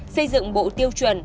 xây dựng bộ tiêu chuẩn